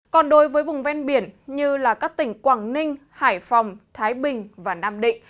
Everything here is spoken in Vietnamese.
còn đối với vùng ven biển như các tỉnh quảng ninh hải phòng thái bình và nam định